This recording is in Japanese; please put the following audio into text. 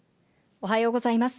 おはようございます。